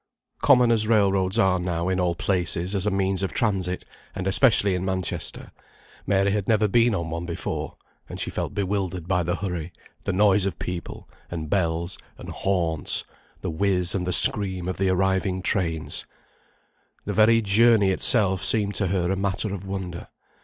Common as railroads are now in all places as a means of transit, and especially in Manchester, Mary had never been on one before; and she felt bewildered by the hurry, the noise of people, and bells, and horns; the whiz and the scream of the arriving trains. The very journey itself seemed to her a matter of wonder.